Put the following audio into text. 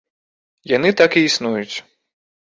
Яны так і існуюць.